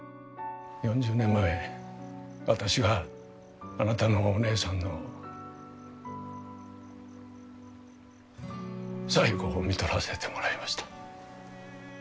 ４０年前私があなたのお姉さんの最期をみとらせてもらいました。